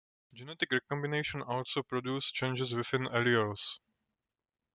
Genetic recombination also produces changes within alleles.